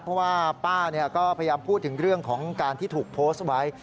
เพราะว่าป้าก็พยายามพูดถึงเรื่องของการที่ถูกโพสต์ไว้